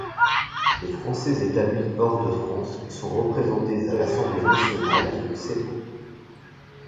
Les Français établis hors de France sont représentés à l’Assemblée nationale et au Sénat.